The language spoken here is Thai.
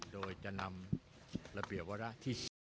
โดยจะนำระเบียบวร้าสิทธิ์